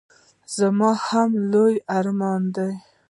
زما هم لوی ارمان دی.